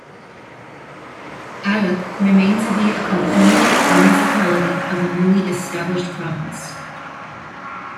Atok remained to be a component municipality of the newly established province.